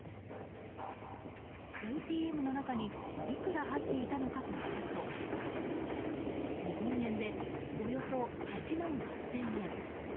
ＡＴＭの中にいくら入っていたのかというと日本円で、およそ８万８０００円。